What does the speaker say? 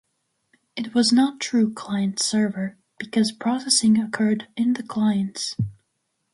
It was not true client-server because processing occurred in the clients.